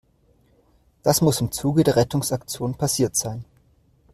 Das muss im Zuge der Rettungsaktion passiert sein.